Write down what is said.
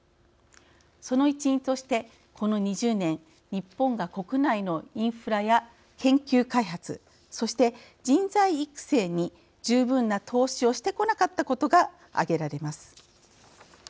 その一因としてこの２０年日本が国内のインフラや研究開発そして人材育成に十分な投資をしてこなかったことが挙げられます。